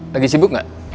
lagi sibuk gak